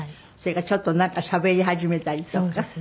それからちょっとなんかしゃべり始めたりとか。